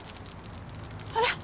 あら？